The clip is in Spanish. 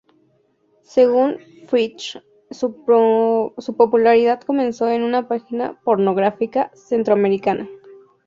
Según Fritsch, su popularidad comenzó en una página pornográfica centroamericana.